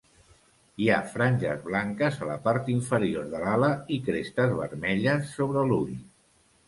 Hi ha franges blanques a la part inferior de l'ala i crestes vermelles sobre l'ull.